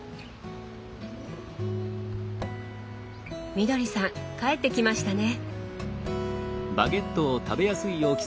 みどりさん帰ってきましたね。